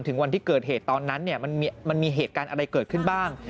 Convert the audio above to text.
วันที่เกิดเหตุตอนนั้นมันมีเหตุการณ์อะไรเกิดขึ้นบ้าง